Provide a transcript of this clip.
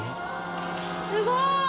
すごい。